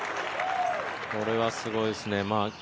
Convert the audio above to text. これはすごいですね。